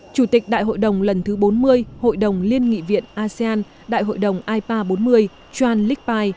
chủ tịch đại hội đồng lần thứ bốn mươi hội đồng liên nghị viện asean đại hội đồng ipa bốn mươi